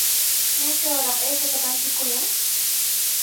¿Maytrawraq aychata rantikuyan?